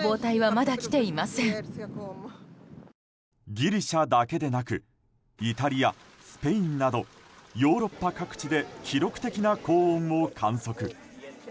ギリシャだけでなくイタリア、スペインなどヨーロッパ各地で記録的な高温を観測。